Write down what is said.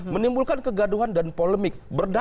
menimbulkan kegaduhan dan polemik